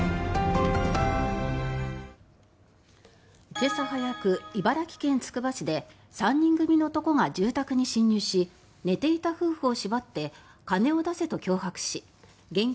今朝早く、茨城県つくば市で３人組の男が住宅に侵入し寝ていた夫婦を縛って金を出せと脅迫し現金